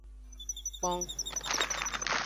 Kpong.